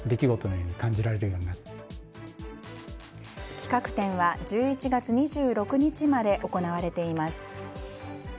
企画展は１１月２６日まで行われています。